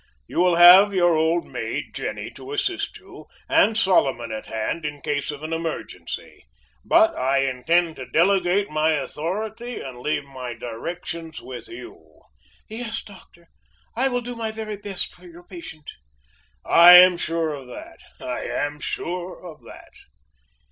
You will have your old maid, Jenny, to assist you, and Solomon at hand, in case of an emergency. But I intend to delegate my authority, and leave my directions with you." "Yes, doctor, I will do my very best for your patient." "I am sure of that. I am sure of that."